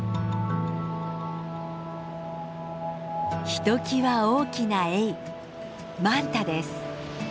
ひときわ大きなエイマンタです。